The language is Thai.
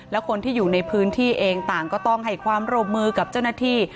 และคนที่อยู่ในพื้นที่เองต่างก็ต้องให้ความร่วมมือกับเจ้าหน้าที่